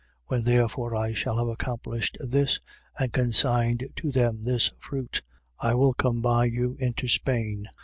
15:28. When therefore I shall have accomplished this and consigned to them this fruit, I will come by you into Spain.